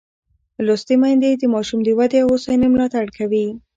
لوستې میندې د ماشوم د ودې او هوساینې ملاتړ کوي.